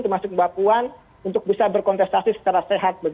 termasuk mbak puan untuk bisa berkontestasi secara sehat